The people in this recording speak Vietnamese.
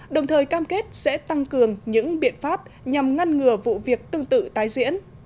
đồng thời cam kết sẽ tăng cường những biện pháp nhằm ngăn ngừa vụ việc tương tự tái diễn